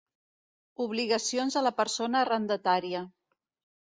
Obligacions de la persona arrendatària.